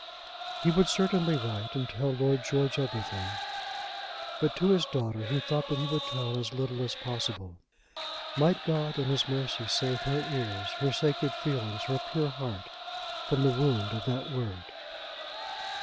He would certainly write and tell Lord George everything. But to his daughter he thought that he would tell as little as possible. Might God in his mercy save her ears, her sacred feelings, her pure heart from the wound of that word!